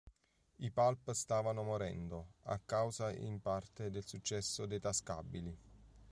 I pulp stavano morendo, a causa in parte del successo dei tascabili.